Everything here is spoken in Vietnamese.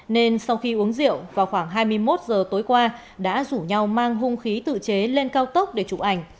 nên sau khi uống rượu vào khoảng hai mươi một giờ tối qua đã rủ nhau mang hung khí tự chế lên cao tốc để chụp ảnh